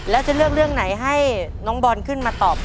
แล้วจะเลือกเรื่องไหนให้น้องบอลขึ้นมาตอบ